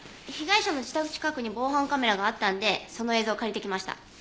被害者の自宅近くに防犯カメラがあったんでその映像借りてきました。